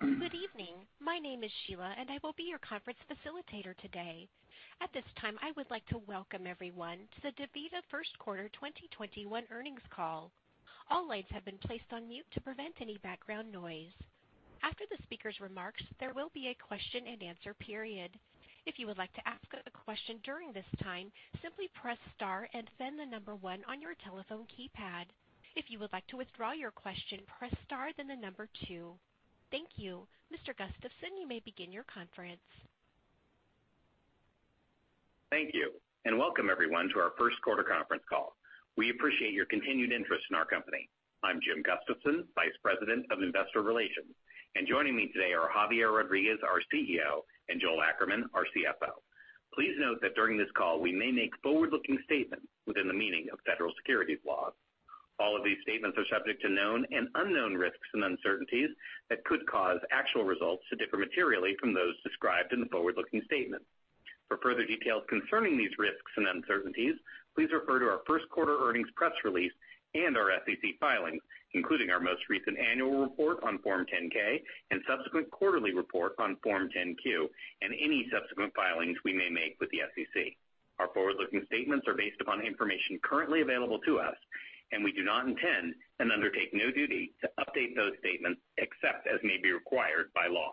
Good evening. My name is Sheila, and I will be your conference facilitator today. At this time, I would like to welcome everyone to the DaVita Q1 2021 Earnings Call. All lines have been placed on mute to prevent any background noise. After the speaker's remarks, there will be a question and answer period. If you would like to ask a question during this time, simply press star and then the number one on your telephone keypad. If you would like to withdraw your question, press star, then the number two. Thank you. Mr. Gustafson, you may begin your conference. Thank you, and welcome everyone to our Q1 Conference Call. We appreciate your continued interest in our company. I'm Jim Gustafson, Vice President of Investor Relations, and joining me today are Javier Rodriguez, our CEO, and Joel Ackerman, our CFO. Please note that during this call, we may make forward-looking statements within the meaning of federal securities laws. All of these statements are subject to known and unknown risks and uncertainties that could cause actual results to differ materially from those described in the forward-looking statement. For further details concerning these risks and uncertainties, please refer to our Q1 earnings press release and our SEC filings, including our most recent annual report on Form 10-K and subsequent quarterly report on Form 10-Q and any subsequent filings we may make with the SEC. Our forward-looking statements are based upon information currently available to us, we do not intend and undertake no duty to update those statements except as may be required by law.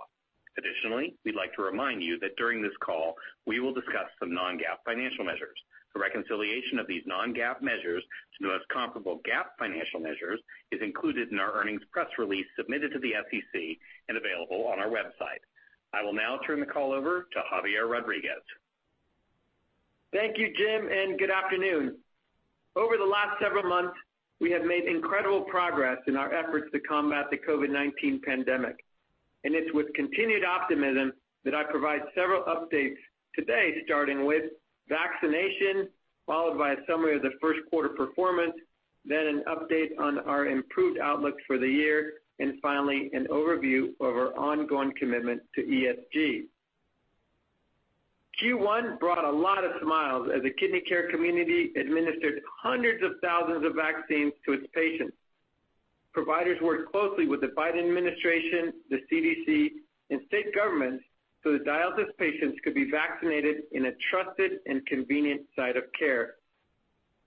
Additionally, we'd like to remind you that during this call, we will discuss some non-GAAP financial measures. A reconciliation of these non-GAAP measures to the most comparable GAAP financial measures is included in our earnings press release submitted to the SEC and available on our website. I will now turn the call over to Javier Rodriguez. Thank you, Jim. Good afternoon. Over the last several months, we have made incredible progress in our efforts to combat the COVID-19 pandemic, and it's with continued optimism that I provide several updates today, starting with vaccination, followed by a summary of the Q1 performance, then an update on our improved outlook for the year, and finally an overview of our ongoing commitment to ESG. Q1 brought a lot of smiles as the kidney care community administered hundreds of thousands of vaccines to its patients. Providers worked closely with the Biden administration, the CDC, and state governments so that dialysis patients could be vaccinated in a trusted and convenient site of care.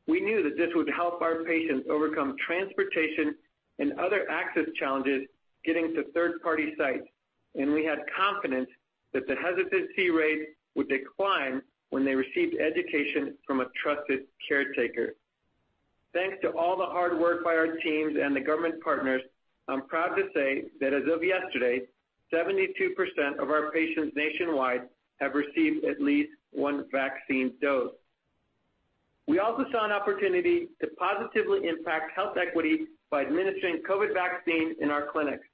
We knew that this would help our patients overcome transportation and other access challenges getting to third-party sites, and we had confidence that the hesitancy rates would decline when they received education from a trusted caretaker. Thanks to all the hard work by our teams and the government partners, I'm proud to say that as of yesterday, 72% of our patients nationwide have received at least one vaccine dose. We also saw an opportunity to positively impact health equity by administering COVID vaccines in our clinics.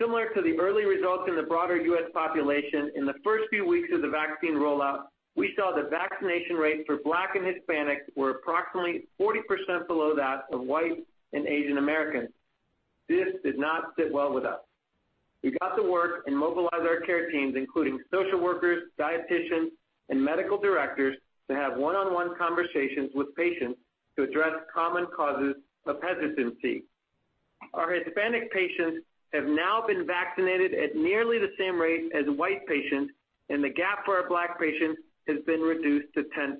Similar to the early results in the broader U.S. population, in the first few weeks of the vaccine rollout, we saw that vaccination rates for Black and Hispanic were approximately 40% below that of White and Asian Americans. This did not sit well with us. We got to work and mobilize our care teams, including social workers, dieticians, and medical directors, to have one-on-one conversations with patients to address common causes of hesitancy. Our Hispanic patients have now been vaccinated at nearly the same rate as White patients, and the gap for our Black patients has been reduced to 10%.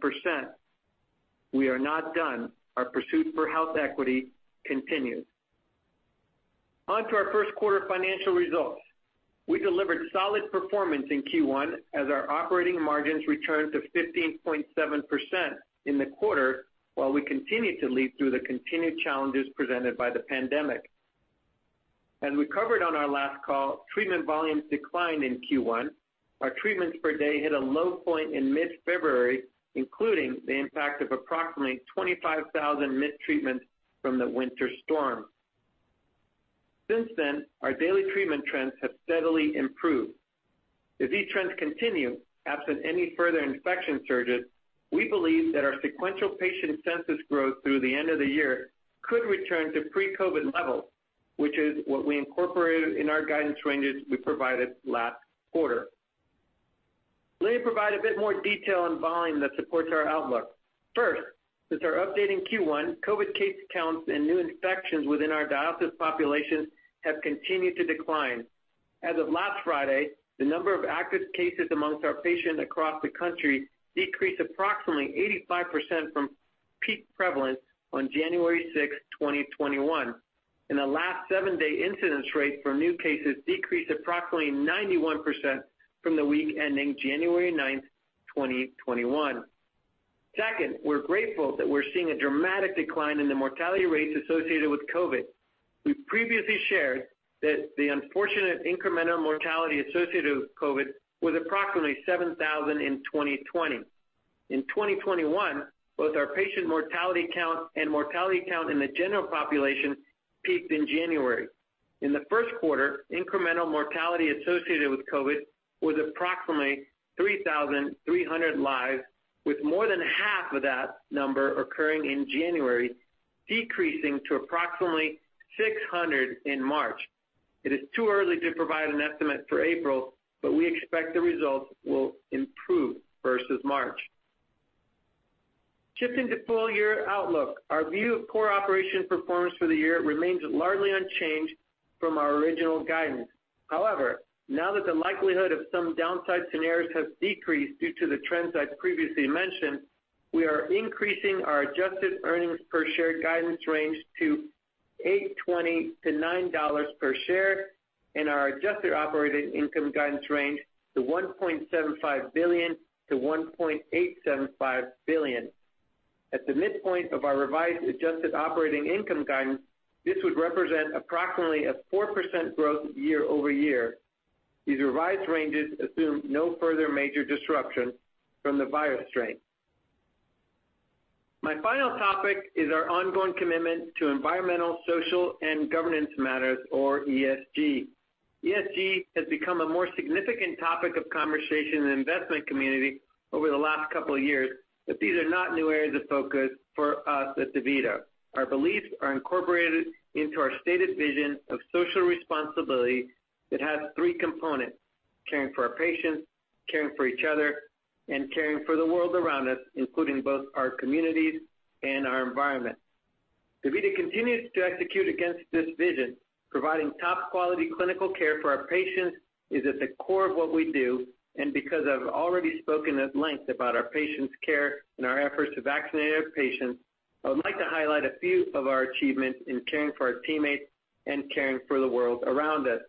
We are not done. Our pursuit for health equity continues. On to our Q1 financial results. We delivered solid performance in Q1 as our operating margins returned to 15.7% in the quarter while we continued to lead through the continued challenges presented by the pandemic. As we covered on our last call, treatment volumes declined in Q1. Our treatments per day hit a low point in mid-February, including the impact of approximately 25,000 missed treatments from the winter storm. Since then, our daily treatment trends have steadily improved. If these trends continue, absent any further infection surges, we believe that our sequential patient census growth through the end of the year could return to pre-COVID levels, which is what we incorporated in our guidance ranges we provided last quarter. Let me provide a bit more detail on volume that supports our outlook. Since our update in Q1, COVID case counts and new infections within our dialysis population have continued to decline. As of last Friday, the number of active cases amongst our patients across the country decreased approximately 85% from peak prevalence on January 6th, 2021, and the last seven-day incidence rate for new cases decreased approximately 91% from the week ending January 9th, 2021. We're grateful that we're seeing a dramatic decline in the mortality rates associated with COVID. We previously shared that the unfortunate incremental mortality associated with COVID was approximately 7,000 in 2020. In 2021, both our patient mortality count and mortality count in the general population peaked in January. In Q1, incremental mortality associated with COVID was approximately 3,300 lives, with more than half of that number occurring in January, decreasing to approximately 600 in March. It is too early to provide an estimate for April, but we expect the results will improve versus March. Shifting to full-year outlook, our view of core operation performance for the year remains largely unchanged from our original guidance. However, now that the likelihood of some downside scenarios has decreased due to the trends I previously mentioned, we are increasing our adjusted earnings per share guidance range to $8.20-$9 per share and our adjusted operating income guidance range from $1.75 billion-$1.875 billion. At the midpoint of our revised adjusted operating income guidance, this would represent approximately a 4% growth year-over-year. These revised ranges assume no further major disruption from the virus strain. My final topic is our ongoing commitment to environmental, social, and governance matters, or ESG. ESG has become a more significant topic of conversation in the investment community over the last couple of years, but these are not new areas of focus for us at DaVita. Our beliefs are incorporated into our stated vision of social responsibility that has three components: caring for our patients, caring for each other, and caring for the world around us, including both our communities and our environment. DaVita continues to execute against this vision. Providing top-quality clinical care for our patients is at the core of what we do, and because I've already spoken at length about our patients' care and our efforts to vaccinate our patients, I would like to highlight a few of our achievements in caring for our teammates and caring for the world around us.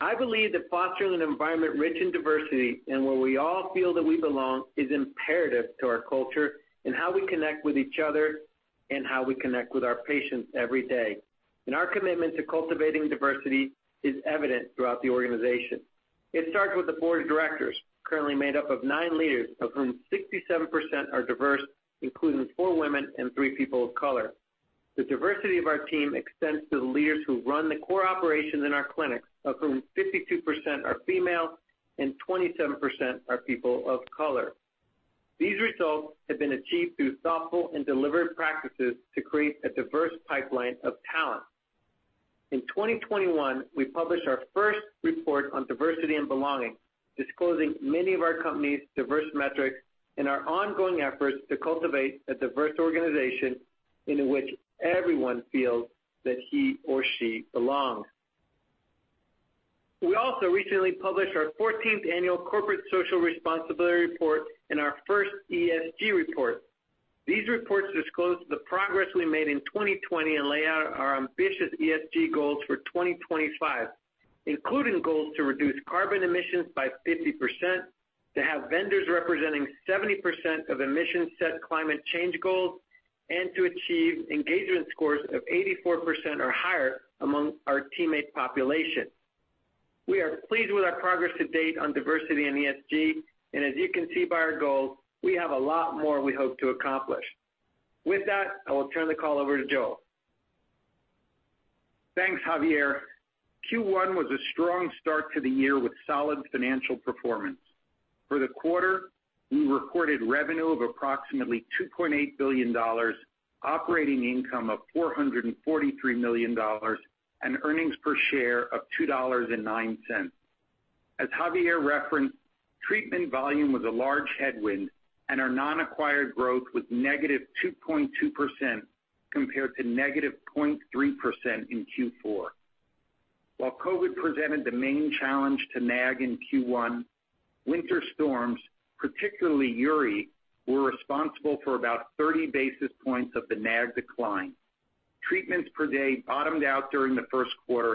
I believe that fostering an environment rich in diversity and where we all feel that we belong is imperative to our culture and how we connect with each other and how we connect with our patients every day. Our commitment to cultivating diversity is evident throughout the organization. It starts with the board of directors, currently made up of nine leaders, of whom 67% are diverse, including four women and three people of color. The diversity of our team extends to the leaders who run the core operations in our clinics, of whom 52% are female and 27% are people of color. These results have been achieved through thoughtful and deliberate practices to create a diverse pipeline of talent. In 2021, we published our first report on diversity and belonging, disclosing many of our company's diverse metrics and our ongoing efforts to cultivate a diverse organization in which everyone feels that he or she belongs. We also recently published our 14th annual corporate social responsibility report and our first ESG report. These reports disclose the progress we made in 2020 and lay out our ambitious ESG goals for 2025, including goals to reduce carbon emissions by 50%, to have vendors representing 70% of emissions set climate change goals, and to achieve engagement scores of 84% or higher among our teammate population. We are pleased with our progress to date on diversity and ESG, and as you can see by our goals, we have a lot more we hope to accomplish. With that, I will turn the call over to Joel. Thanks, Javier. Q1 was a strong start to the year with solid financial performance. For the quarter, we recorded revenue of approximately $2.8 billion, operating income of $443 million, and earnings per share of $2.09. As Javier referenced, treatment volume was a large headwind, and our non-acquired growth was -2.2% compared to -0.3% in Q4. While COVID presented the main challenge to NAG in Q1, winter storms, particularly Uri, were responsible for about 30 basis points of the NAG decline. Treatments per day bottomed out during the Q1,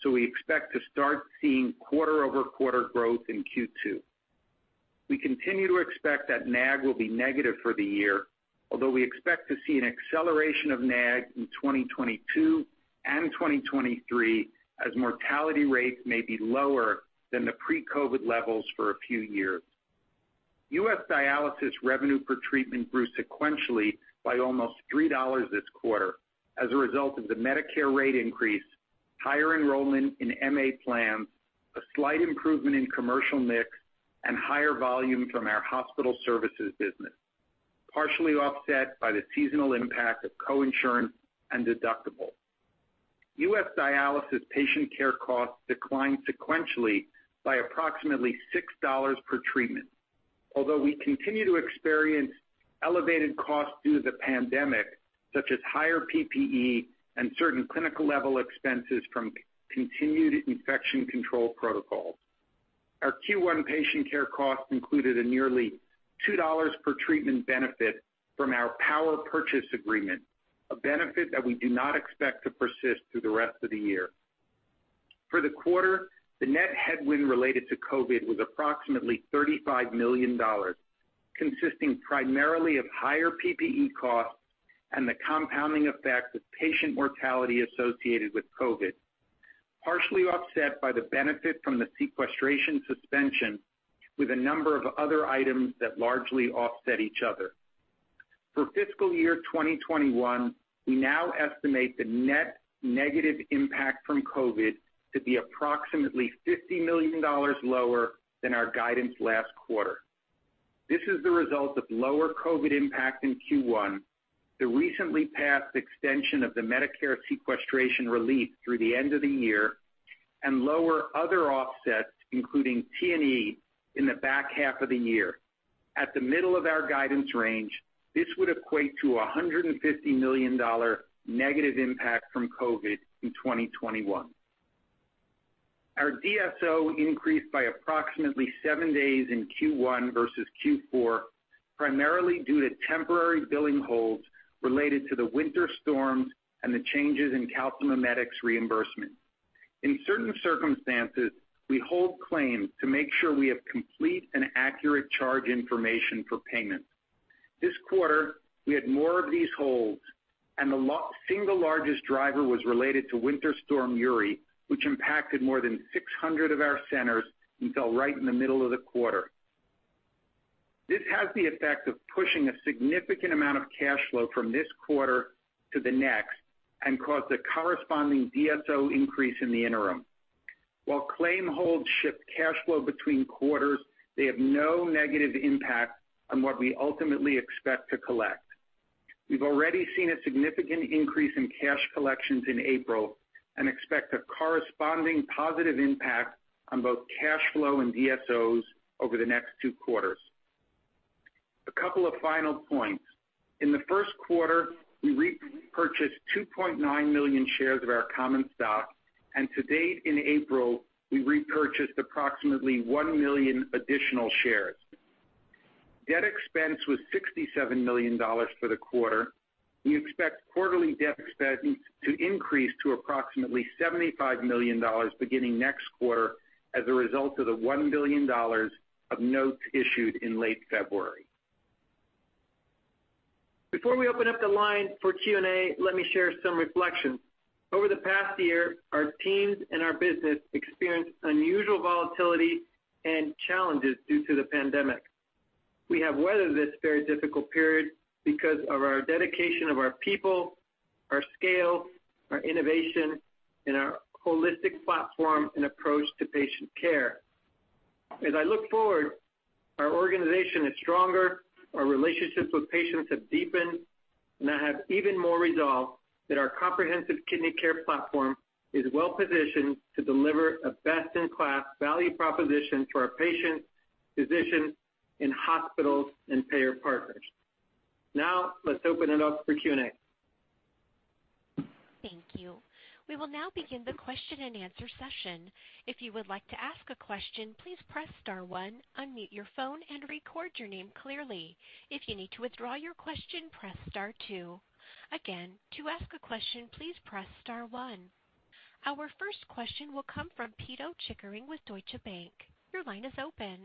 so we expect to start seeing quarter-over-quarter growth in Q2. We continue to expect that NAG will be negative for the year, although we expect to see an acceleration of NAG in 2022 and 2023 as mortality rates may be lower than the pre-COVID levels for a few years. U.S. dialysis revenue per treatment grew sequentially by almost $3 this quarter as a result of the Medicare rate increase, higher enrollment in MA plans, a slight improvement in commercial mix, and higher volume from our hospital services business, partially offset by the seasonal impact of coinsurance and deductible. U.S. dialysis patient care costs declined sequentially by approximately $6 per treatment, although we continue to experience elevated costs due to the pandemic, such as higher PPE and certain clinical-level expenses from continued infection control protocols. Our Q1 patient care costs included a nearly $2 per treatment benefit from our power purchase agreement, a benefit that we do not expect to persist through the rest of the year. For the quarter, the net headwind related to COVID was approximately $35 million, consisting primarily of higher PPE costs and the compounding effect of patient mortality associated with COVID, partially offset by the benefit from the sequestration suspension, with a number of other items that largely offset each other. For fiscal year 2021, we now estimate the net negative impact from COVID to be approximately $50 million lower than our guidance last quarter. This is the result of lower COVID impact in Q1, the recently passed extension of the Medicare Sequestration Relief through the end of the year. Lower other offsets, including T&E, in the H2 of the year. At the middle of our guidance range, this would equate to $150 million negative impact from COVID in 2021. Our DSO increased by approximately seven days in Q1 versus Q4, primarily due to temporary billing holds related to the winter storms and the changes in calcimimetics reimbursement. In certain circumstances, we hold claims to make sure we have complete and accurate charge information for payment. This quarter, we had more of these holds and the single largest driver was related to Winter Storm Uri, which impacted more than 600 of our centers and fell right in the middle of the quarter. This has the effect of pushing a significant amount of cash flow from this quarter to the next and caused a corresponding DSO increase in the interim. While claim holds shift cash flow between quarters, they have no negative impact on what we ultimately expect to collect. We've already seen a significant increase in cash collections in April and expect a corresponding positive impact on both cash flow and DSOs over the next two quarters. A couple of final points. In the Q1, we repurchased 2.9 million shares of our common stock, and to date in April, we repurchased approximately 1 million additional shares. Debt expense was $67 million for the quarter. We expect quarterly debt expense to increase to approximately $75 million beginning next quarter as a result of the $1 billion of notes issued in late February. Before we open up the line for Q&A, let me share some reflections. Over the past year, our teams and our business experienced unusual volatility and challenges due to the pandemic. We have weathered this very difficult period because of our dedication of our people, our scale, our innovation, and our holistic platform and approach to patient care. As I look forward, our organization is stronger, our relationships with patients have deepened, and I have even more resolve that our comprehensive kidney care platform is well-positioned to deliver a best-in-class value proposition for our patients, physicians, and hospitals and payer partners. Let's open it up for Q&A. Thank you. We will now begin the question and answer session. If you would like to ask a question, please press star one, unmute your phone and record your name clearly. If you need to withdraw your question, press star two. Again, to ask a question, please press star one. Our first question will come from Pito Chickering with Deutsche Bank. Your line is open.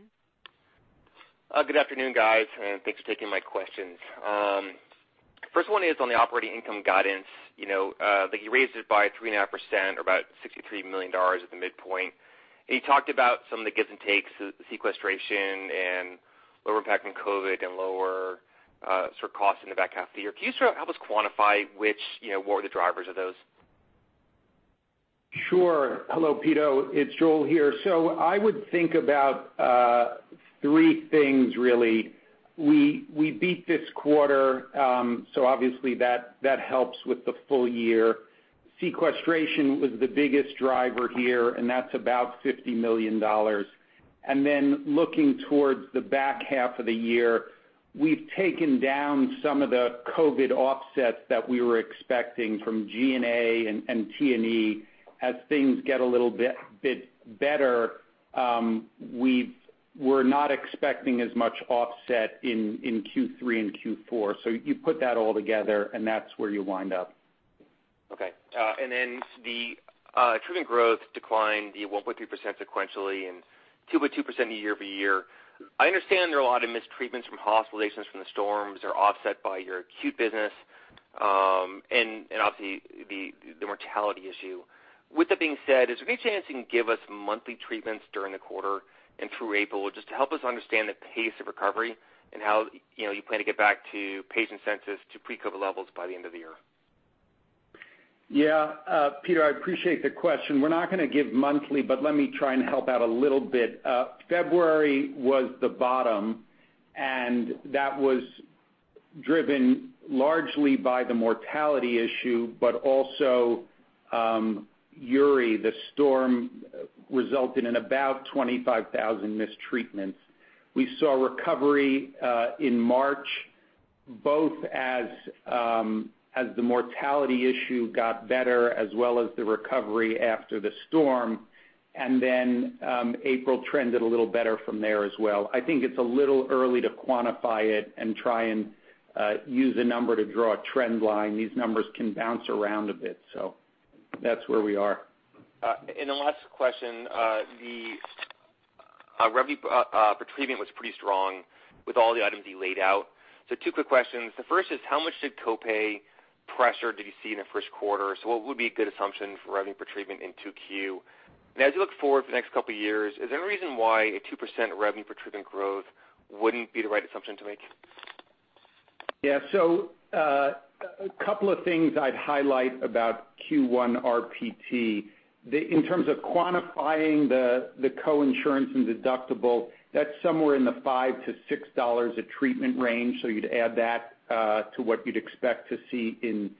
Good afternoon, guys. Thanks for taking my questions. First one is on the operating income guidance. You raised it by 3.5% or about $63 million at the midpoint. You talked about some of the gives and takes, the sequestration and lower impact from COVID and lower sort of cost in the H2 of the year. Can you sort of help us quantify what were the drivers of those? Sure. Hello, Pito. It's Joel here. I would think about three things, really. We beat this quarter, so obviously that helps with the full year. Sequestration was the biggest driver here, and that's about $50 million. Looking towards the H2 of the year, we've taken down some of the COVID offsets that we were expecting from G&A and T&E. As things get a little bit better, we're not expecting as much offset in Q3 and Q4. You put that all together, and that's where you wind up. Okay. The treatment growth declined the 1.3% sequentially and 2.2% year-over-year. I understand there are a lot of missed treatments from hospitalizations from the storms that are offset by your acute business, and obviously the mortality issue. That being said, is there any chance you can give us monthly treatments during the quarter and through April, just to help us understand the pace of recovery and how you plan to get back to patient census to pre-COVID levels by the end of the year? Yeah. Pito, I appreciate the question. We're not going to give monthly, but let me try and help out a little bit. February was the bottom, and that was driven largely by the mortality issue, but also Uri, the storm, resulted in about 25,000 missed treatments. We saw recovery in March, both as the mortality issue got better as well as the recovery after the storm. April trended a little better from there as well. I think it's a little early to quantify it and try and use a number to draw a trend line. These numbers can bounce around a bit. That's where we are. The last question, the revenue per treatment was pretty strong with all the items you laid out. Two quick questions. The first is, how much did copay pressure did you see in Q1? What would be a good assumption for revenue per treatment in Q2? As you look forward for the next couple of years, is there any reason why a 2% revenue per treatment growth wouldn't be the right assumption to make? Yeah. A couple of things I'd highlight about Q1 RPT. In terms of quantifying the co-insurance and deductible, that's somewhere in the $5-$6 a treatment range, so you'd add that to what you'd expect to see in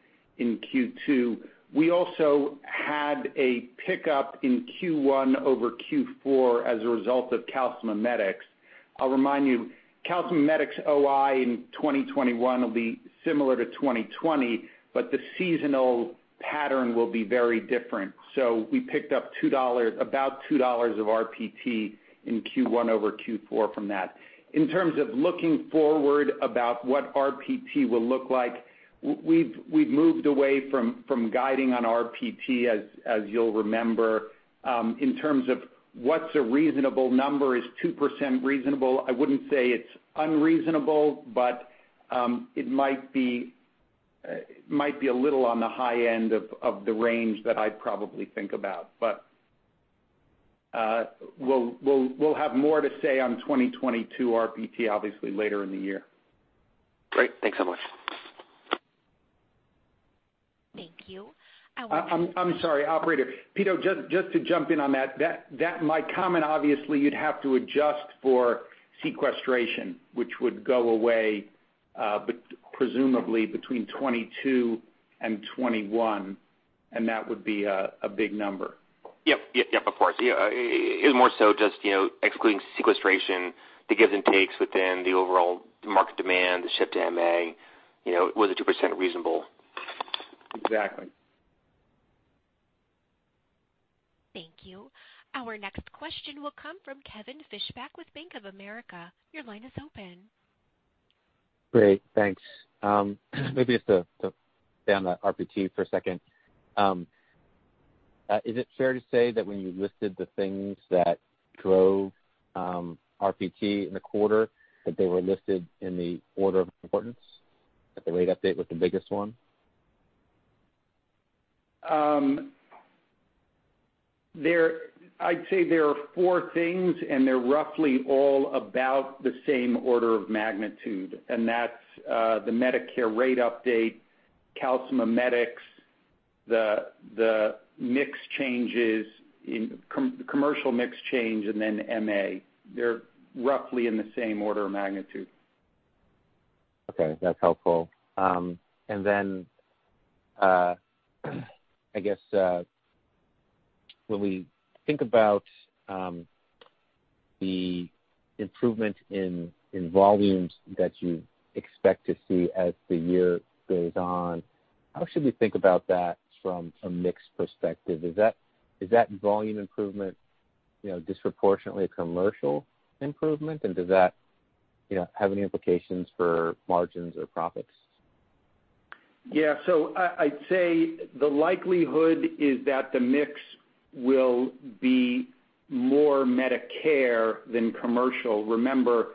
Q2. We also had a pickup in Q1 over Q4 as a result of calcimimetics. I'll remind you, calcimimetics OI in 2021 will be similar to 2020, but the seasonal pattern will be very different. We picked up about $2 of RPT in Q1 over Q4 from that. In terms of looking forward about what RPT will look like, we've moved away from guiding on RPT, as you'll remember. In terms of what's a reasonable number, is 2% reasonable? I wouldn't say it's unreasonable, but it might be a little on the high end of the range that I'd probably think about. We'll have more to say on 2022 RPT, obviously, later in the year. Great. Thanks so much. Thank you. I'm sorry, operator. Pito, just to jump in on that, my comment, obviously, you'd have to adjust for sequestration, which would go away presumably between 2022 and 2021, and that would be a big number. Yep. Of course. It was more so just excluding sequestration, the gives and takes within the overall market demand, the shift to MA. Was a 2% reasonable? Exactly. Thank you. Our next question will come from Kevin Fischbeck with Bank of America. Your line is open. Great, thanks. Maybe just to stay on the RPT for a second. Is it fair to say that when you listed the things that drove RPT in the quarter, that they were listed in the order of importance? That the rate update was the biggest one? I'd say there are four things, and they're roughly all about the same order of magnitude, and that's the Medicare rate update, calcimimetics, the commercial mix change, and then MA. They're roughly in the same order of magnitude. Okay, that's helpful. I guess, when we think about the improvement in volumes that you expect to see as the year goes on, how should we think about that from a mix perspective? Is that volume improvement disproportionately a commercial improvement? Does that have any implications for margins or profits? Yeah. I'd say the likelihood is that the mix will be more Medicare than commercial. Remember,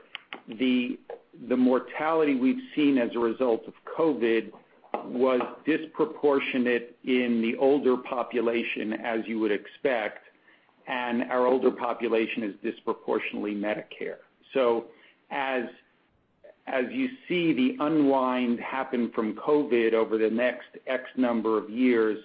the mortality we've seen as a result of COVID was disproportionate in the older population, as you would expect, and our older population is disproportionately Medicare. As you see the unwind happen from COVID over the next X number of years,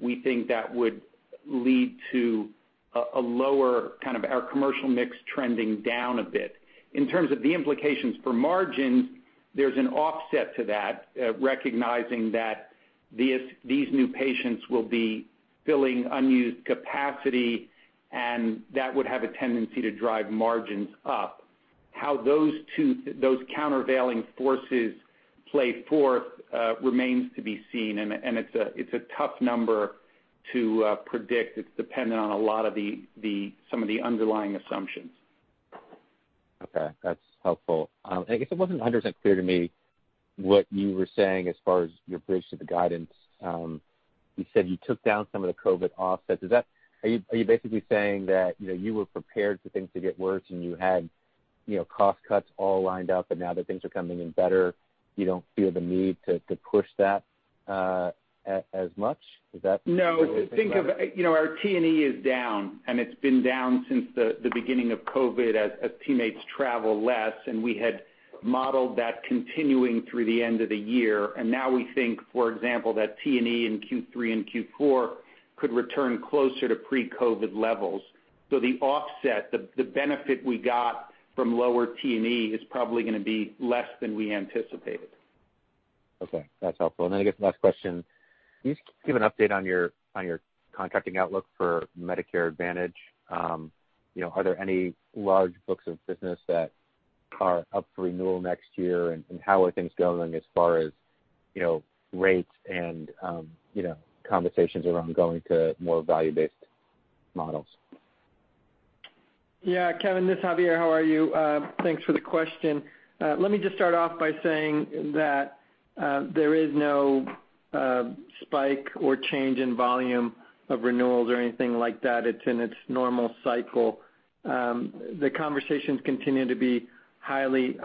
we think that would lead to our commercial mix trending down a bit. In terms of the implications for margins, there's an offset to that, recognizing that these new patients will be filling unused capacity, and that would have a tendency to drive margins up. How those countervailing forces play forth remains to be seen, and it's a tough number to predict. It's dependent on some of the underlying assumptions. Okay, that's helpful. I guess it wasn't 100% clear to me what you were saying as far as your bridge to the guidance. You said you took down some of the COVID offsets. Are you basically saying that you were prepared for things to get worse and you had cost cuts all lined up, and now that things are coming in better, you don't feel the need to push that as much? Is that- No. What you were thinking about? Think of our T&E is down, and it's been down since the beginning of COVID as teammates travel less, and we had modeled that continuing through the end of the year. now we think, for example, that T&E in Q3 and Q4 could return closer to pre-COVID levels. the offset, the benefit we got from lower T&E is probably going to be less than we anticipated. Okay, that's helpful. I guess the last question, can you just give an update on your contracting outlook for Medicare Advantage? Are there any large books of business that are up for renewal next year? How are things going as far as rates and conversations around going to more value-based models? Yeah. Kevin, this is Javier. How are you? Thanks for the question. Let me just start off by saying that there is no spike or change in volume of renewals or anything like that. It's in its normal cycle. The conversations continue to be highly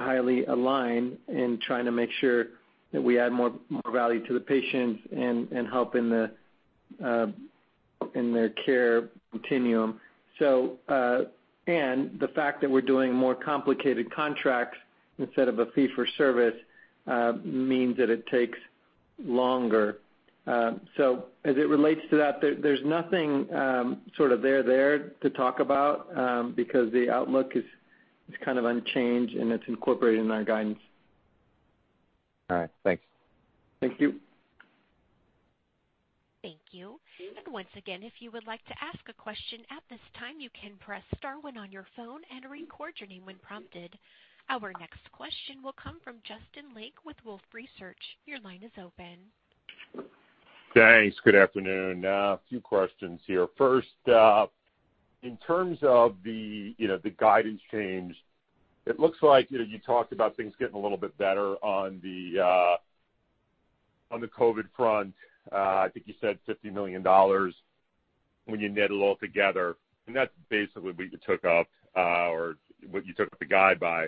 aligned in trying to make sure that we add more value to the patients and help in their care continuum. The fact that we're doing more complicated contracts instead of a fee for service means that it takes longer. As it relates to that, there's nothing sort of there to talk about because the outlook is kind of unchanged, and it's incorporated in our guidance. All right. Thanks. Thank you. Thank you. Once again, if you would like to ask a question at this time, you can press star one on your phone and record your name when prompted. Our next question will come from Justin Lake with Wolfe Research. Your line is open. Thanks. Good afternoon. A few questions here. First, in terms of the guidance change, it looks like you talked about things getting a little bit better on the COVID front. I think you said $50 million when you knit it all together, and that's basically what you took up or what you took the guide by.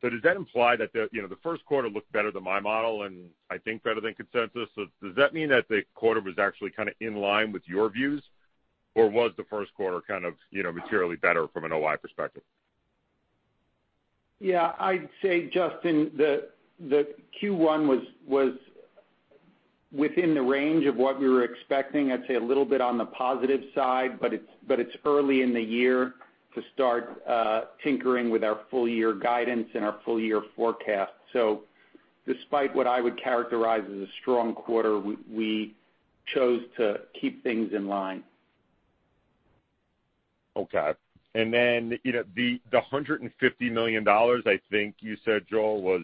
Does that imply that the Q1 looked better than my model and I think better than consensus? Does that mean that the quarter was actually kind of in line with your views, or was the Q1 materially better from an OI perspective? Yeah, I'd say, Justin, that Q1 was within the range of what we were expecting. I'd say a little bit on the positive side, but it's early in the year to start tinkering with our full-year guidance and our full-year forecast. Despite what I would characterize as a strong quarter, we chose to keep things in line. Okay. the $150 million I think you said, Joel, was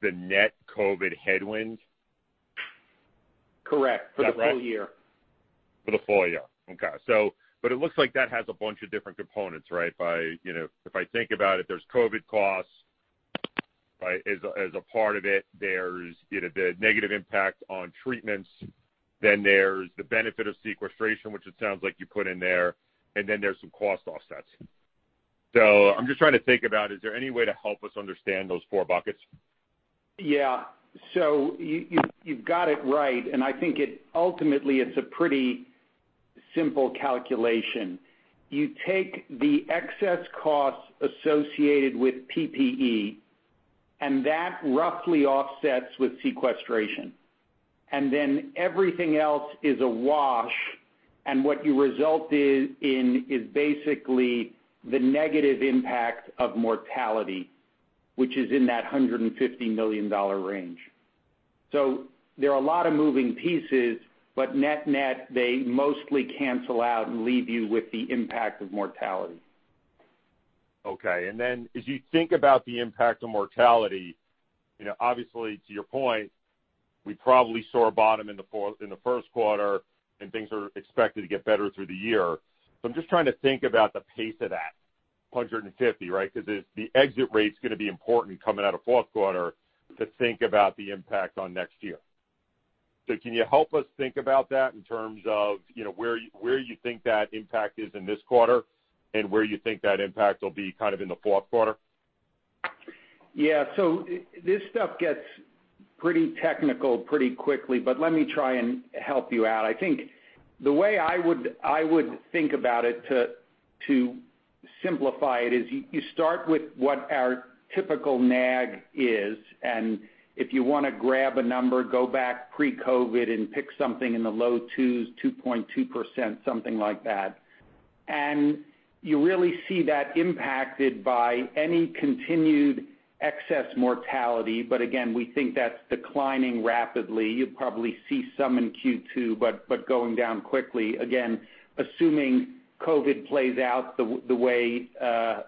the net COVID headwind? Correct. For the full year. For the full year. Okay. It looks like that has a bunch of different components, right? If I think about it, there's COVID costs, right, as a part of it. There's the negative impact on treatments. There's the benefit of sequestration, which it sounds like you put in there, and then there's some cost offsets. I'm just trying to think about, is there any way to help us understand those four buckets? Yeah. You've got it right, and I think ultimately it's a pretty simple calculation. You take the excess costs associated with PPE, and that roughly offsets with sequestration. Everything else is a wash, and what you result in is basically the negative impact of mortality, which is in that $150 million range. There are a lot of moving pieces, but net-net, they mostly cancel out and leave you with the impact of mortality. Okay. As you think about the impact of mortality, obviously to your point, we probably saw a bottom in the Q1 and things are expected to get better through the year. I'm just trying to think about the pace of that $150 million, right? Because the exit rate's going to be important coming out of Q4 to think about the impact on next year. Can you help us think about that in terms of where you think that impact is in this quarter and where you think that impact will be in Q4? Yeah. This stuff gets pretty technical pretty quickly, but let me try and help you out. I think the way I would think about it to simplify it is you start with what our typical NAG is, and if you want to grab a number, go back pre-COVID and pick something in the low twos, 2.2%, something like that. You really see that impacted by any continued excess mortality. Again, we think that's declining rapidly. You'll probably see some in Q2, but going down quickly, again, assuming COVID plays out the way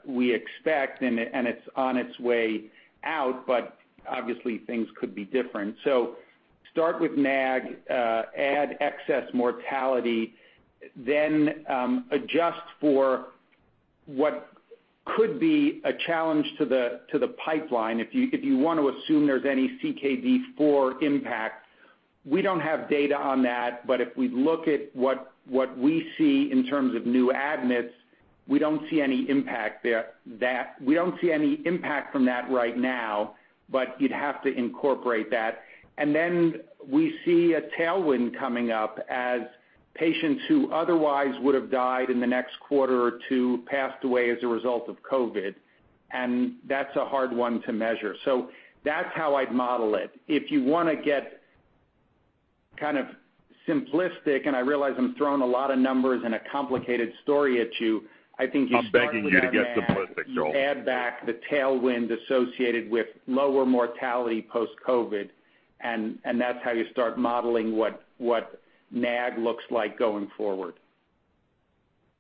we expect and it's on its way out, but obviously things could be different. Start with NAG, add excess mortality, then adjust for what could be a challenge to the pipeline if you want to assume there's any CKD4 impact. We don't have data on that, but if we look at what we see in terms of new admits, we don't see any impact from that right now, but you'd have to incorporate that. We see a tailwind coming up as patients who otherwise would have died in the next quarter or two passed away as a result of COVID, and that's a hard one to measure. That's how I'd model it. If you want to get kind of simplistic, and I realize I'm throwing a lot of numbers and a complicated story at you, I think you start- I'm begging you to get simplistic, Joel you add back the tailwind associated with lower mortality post-COVID, and that's how you start modeling what NAG looks like going forward.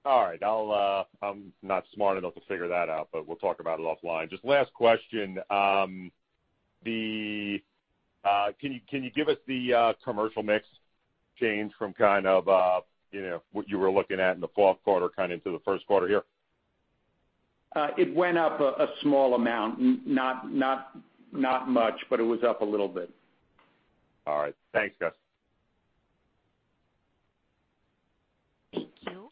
All right. I'm not smart enough to figure that out, but we'll talk about it offline. Just last question. Can you give us the commercial mix change from what you were looking at in Q4 into Q1 here? It went up a small amount. Not much, but it was up a little bit. All right. Thanks, guys. Thank you.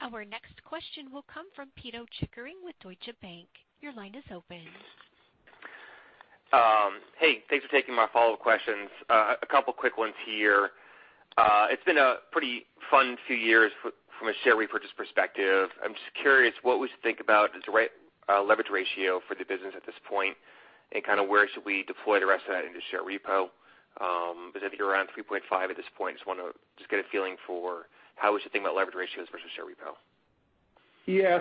Our next question will come from Pito Chickering with Deutsche Bank. Your line is open. Hey, thanks for taking my follow-up questions. A couple quick ones here. It's been a pretty fun few years from a share repurchase perspective. I'm just curious, what we should think about is the right leverage ratio for the business at this point, and where should we deploy the rest of that into share repo? Because if you're around 3.5x at this point, I just want to just get a feeling for how we should think about leverage ratios versus share repo. Yeah.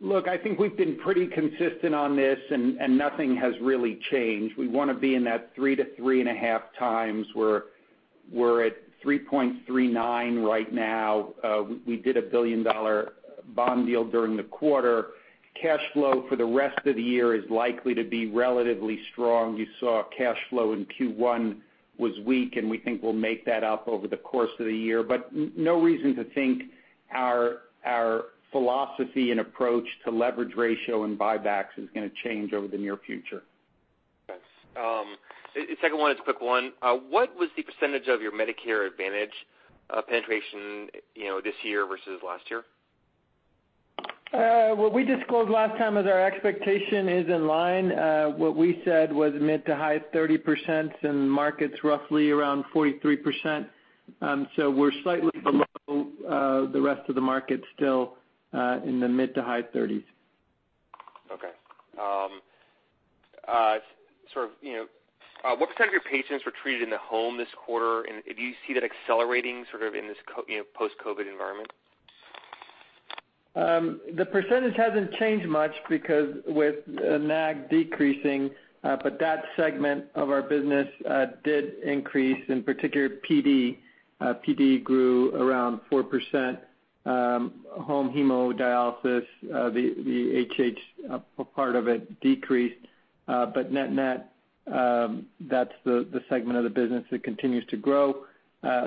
look, I think we've been pretty consistent on this, and nothing has really changed. We want to be in that 3-3.5x Where we're at 3.39x right now. We did a billion-dollar bond deal during the quarter. Cash flow for the rest of the year is likely to be relatively strong. You saw cash flow in Q1 was weak, and we think we'll make that up over the course of the year, but no reason to think our philosophy and approach to leverage ratio and buybacks is going to change over the near future. Thanks. The second one is a quick one. What was the percentage of your Medicare Advantage penetration this year versus last year? What we disclosed last time as our expectation is in line. What we said was mid to high 30% in markets roughly around 43%. We're slightly below the rest of the market, still in the mid to high 30s. Okay. What percentage of your patients were treated in the home this quarter, and do you see that accelerating sort of in this post-COVID environment? The percentage hasn't changed much because with NAG decreasing, but that segment of our business did increase, in particular PD. PD grew around 4%. Home hemodialysis, the HH part of it decreased. Net net, that's the segment of the business that continues to grow.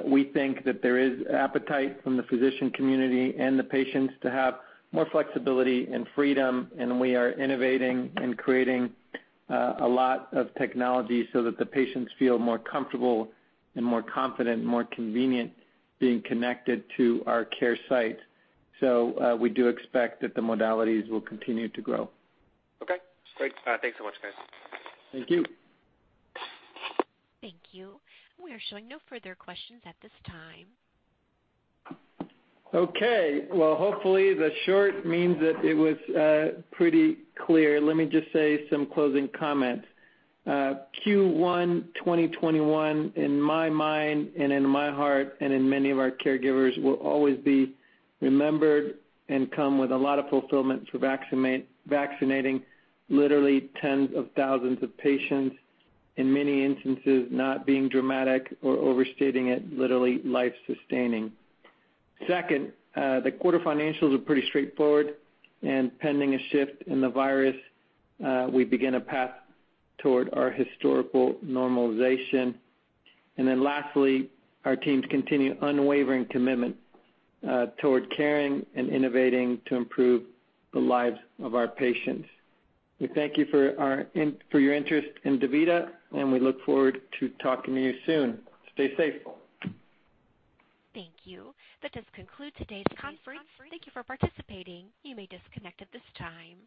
We think that there is appetite from the physician community and the patients to have more flexibility and freedom, and we are innovating and creating a lot of technology so that the patients feel more comfortable and more confident, more convenient being connected to our care site. We do expect that the modalities will continue to grow. Okay, great. Thanks so much, guys. Thank you. Thank you. We are showing no further questions at this time. Okay. Well, hopefully, the short means that it was pretty clear. Let me just say some closing comments. Q1 2021, in my mind and in my heart and in many of our caregivers, will always be remembered and come with a lot of fulfillment for vaccinating literally tens of thousands of patients, in many instances, not being dramatic or overstating it, literally life-sustaining. Second, the quarter financials are pretty straightforward, and pending a shift in the virus, we begin a path toward our historical normalization. Lastly, our teams continue unwavering commitment toward caring and innovating to improve the lives of our patients. We thank you for your interest in DaVita, and we look forward to talking to you soon. Stay safe. Thank you. That does conclude today's conference. Thank you for participating. You may disconnect at this time.